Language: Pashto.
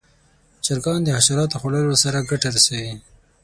چرګان د حشراتو خوړلو سره ګټه رسوي.